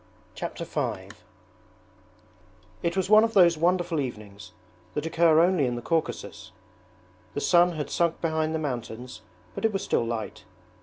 Chapter V It was one of those wonderful evenings that occur only in the Caucasus. The sun had sunk behind the mountains but it was still light.